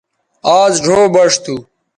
آز ڙھو بݜ تھو